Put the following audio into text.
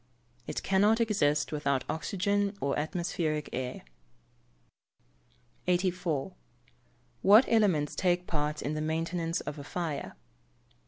It cannot exist without oxygen or atmospheric air. 84. _What elements take part in the maintenance of a fire?